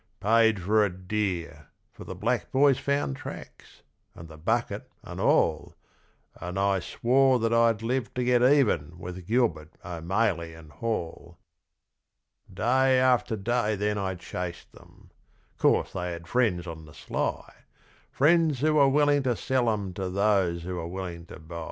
Paid for it dear, for the black boys found tracks, and the bucket, and all, And I swore that I'd live to get even with Gilbert, O'Maley and Hall. Day after day then I chased them 'course they had friends on the sly, Friends who were willing to sell them to those who were willing to buy.